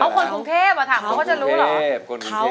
เขาคนกรุงเทพอ่ะถามเขาก็จะรู้เหรอ